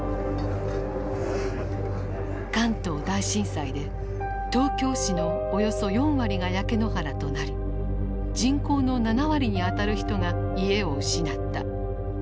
関東大震災で東京市のおよそ４割が焼け野原となり人口の７割にあたる人が家を失った。